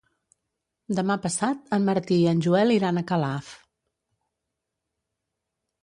Demà passat en Martí i en Joel iran a Calaf.